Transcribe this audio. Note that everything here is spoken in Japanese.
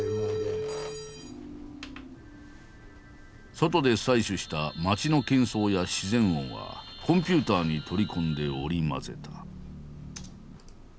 外で採取した街の喧騒や自然音はコンピューターに取り込んで織り交ぜた。